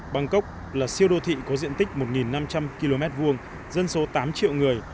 bangkok là siêu đô thị có diện tích một năm trăm linh km hai dân số tám triệu người